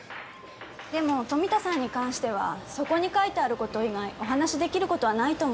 でも富田さんに関してはそこに書いてある事以外お話できる事はないと思います。